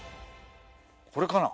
これかな？